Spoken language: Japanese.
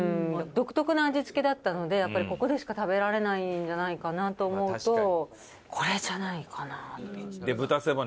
独特な味付けだったのでやっぱりここでしか食べられないんじゃないかなと思うとこれじゃないかな。